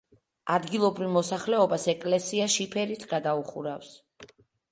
ადგილობრივ მოსახლეობას ეკლესია შიფერით გადაუხურავს.